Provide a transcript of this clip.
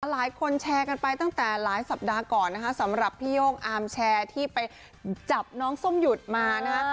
หลายคนแชร์กันไปตั้งแต่หลายสัปดาห์ก่อนนะคะสำหรับพี่โย่งอาร์มแชร์ที่ไปจับน้องส้มหยุดมานะคะ